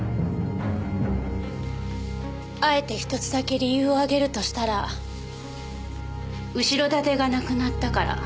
あえて一つだけ理由を挙げるとしたら後ろ盾がなくなったから。